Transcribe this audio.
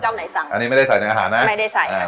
ไหนสั่งอันนี้ไม่ได้ใส่ในอาหารนะไม่ได้ใส่